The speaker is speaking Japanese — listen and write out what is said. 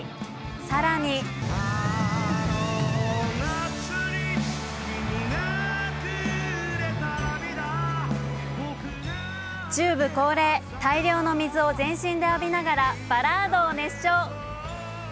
更にＴＵＢＥ恒例、大量の水を全身で浴びながらバラードを熱唱。